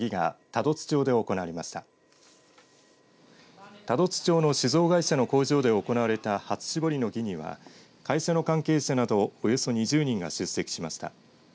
多度津町の酒造会社の工場で行われた初しぼりの儀には会社の関係者などおよそ２０人が出席しました。